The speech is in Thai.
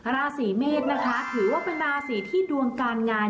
ราศีเมษนะคะถือว่าเป็นราศีที่ดวงการงาน